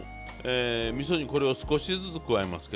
みそにこれを少しずつ加えますけども。